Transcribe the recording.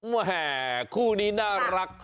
แวแห่่คู่นี้น่ารัก